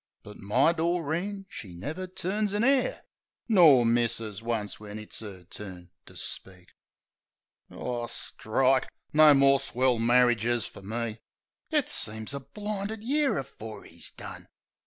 But my Doreen she never turns a 'air, Nor misses once when it's 'er turn to speak. Ar, strike! No more swell marridges fer me! It seems a blinded year afore 'e's done.